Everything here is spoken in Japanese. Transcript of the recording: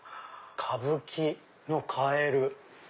歌舞伎のカエル。